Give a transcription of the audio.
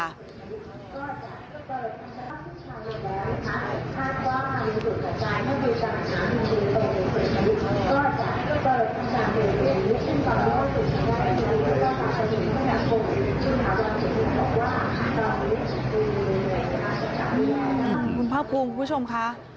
คุณภาคภูมิคุณผู้ชมค่ะ